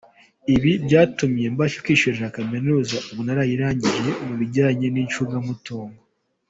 Ibi byatumye mbasha kwiyishyurira Kaminuza, ubu narayirangije mu bijyanye n’icungamutungo.